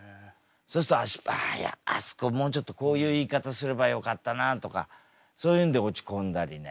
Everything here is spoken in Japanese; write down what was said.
そうすると「あああそこもうちょっとこういう言い方すればよかったな」とかそういうんで落ち込んだりね。